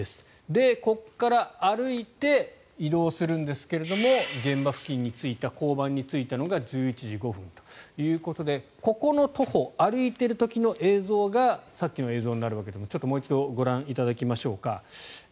で、ここから歩いて移動するんですけれども現場付近に着いた交番に着いたのが１１時５分ということでここの徒歩歩いている時の映像がさっきの映像になるわけですがもう一度ご覧いただきましょう。